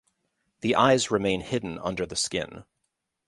The eyes remain hidden under the skin.